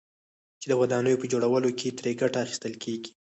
چې د ودانيو په جوړولو كې ترې گټه اخيستل كېږي،